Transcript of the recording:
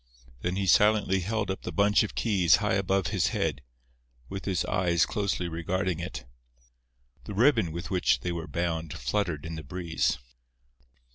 Then he silently held up the bunch of keys high above his head, with his eyes closely regarding it. The ribbon with which they were bound fluttered in the breeze.